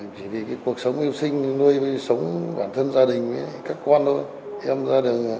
chỉ vì cuộc sống yêu sinh nuôi sống bản thân gia đình với các con thôi